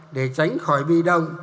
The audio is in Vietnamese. để tránh khỏi bi đông